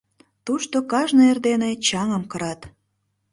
Тушто кажне эрдене чаҥым кырат.